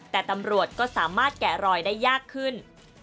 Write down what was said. แต่ตำรวจก็สามารถแกะรอยได้ยากขึ้น